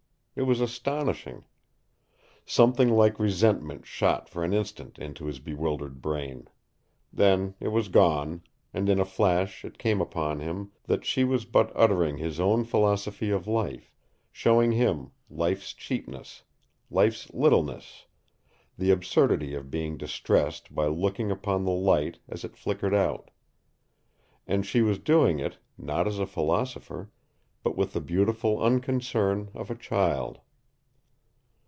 It was astonishing. Something like resentment shot for an instant into his bewildered brain. Then it was gone, and in a flash it came upon him that she was but uttering his own philosophy of life, showing him life's cheapness, life's littleness, the absurdity of being distressed by looking upon the light as it flickered out. And she was doing it, not as a philosopher, but with the beautiful unconcern of a child.